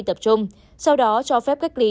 tập trung sau đó cho phép cách ly